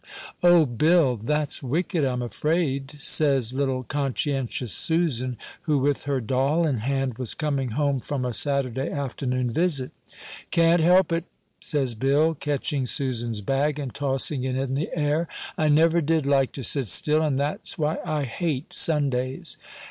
"O Bill, that's wicked, I'm afraid," says little conscientious Susan, who, with her doll in hand, was coming home from a Saturday afternoon visit. "Can't help it," says Bill, catching Susan's bag, and tossing it in the air; "I never did like to sit still, and that's why I hate Sundays."